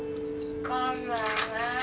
こんばんは。